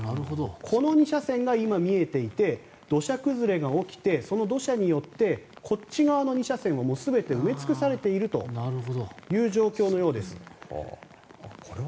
この２車線が今、見えていて土砂崩れが起きてその土砂によってこっち側の２車線は全て埋め尽くされているという状況のようです。